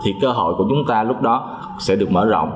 thì cơ hội của chúng ta lúc đó sẽ được mở rộng